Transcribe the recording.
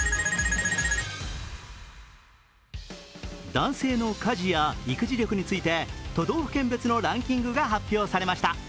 男性の家事や育児力について都道府県別のランキングが発表されました。